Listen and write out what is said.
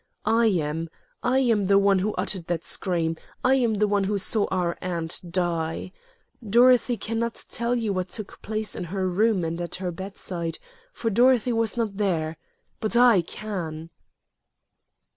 I am. I am the one who uttered that scream; I am the one who saw our aunt die. Dorothy can not tell you what took place in her room and at her bedside, for Dorothy was not there; but I can."